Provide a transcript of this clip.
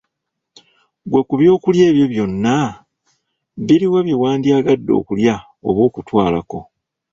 Ggwe ku byokulya ebyo byonna, biruwa bye wandyagadde okulya oba okutwalako ?